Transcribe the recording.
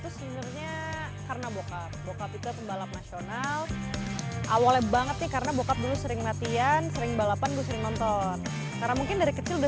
saya alinka hardianti saya pembalap nasional indonesia